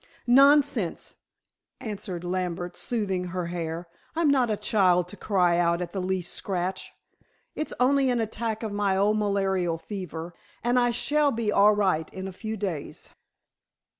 "Nonsense," answered Lambert, smoothing her hair. "I'm not a child to cry out at the least scratch. It's only an attack of my old malarial fever, and I shall be all right in a few days."